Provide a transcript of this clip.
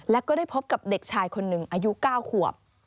แล้วก็ได้พบกับเด็กชายคนหนึ่งอายุ๙ขวบ